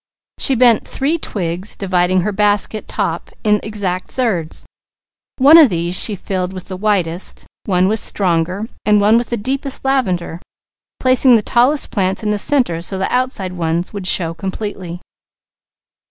She bent three twigs, dividing her basket top in exact thirds. One of these she filled with the whitest, one with stronger, and one with the deepest lavender, placing the tallest plants in the centre so that the outside ones would show completely.